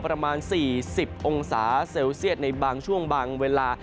ประมาณ๔๐องศาเซลเซียตในบางช่วงบางเวลา